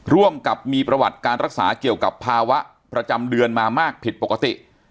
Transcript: ร่วมกับมีประวัติการรักษาเกี่ยวกับภาวะประจำเดือนมามากผิดปกติ